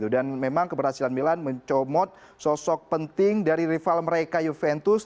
dan memang keberhasilan milan mencomot sosok penting dari rival mereka juventus